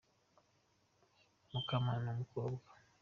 mukamana ni umukobwa